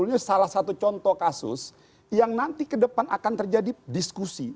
tapi saya mau contoh kasus yang nanti ke depan akan terjadi diskusi